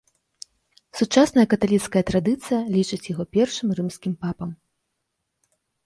Сучасная каталіцкая традыцыя лічыць яго першым рымскім папам.